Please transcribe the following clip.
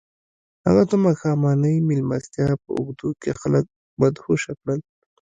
هغه د ماښامنۍ مېلمستیا په اوږدو کې خلک مدهوشه کړل